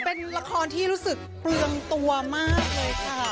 เป็นละครที่รู้สึกเปลืองตัวมากเลยค่ะ